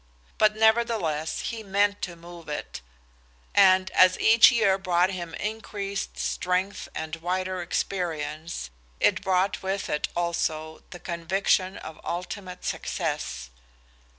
But nevertheless he meant to move it, and as each year brought him increased strength and wider experience, it brought with it also the conviction of ultimate success.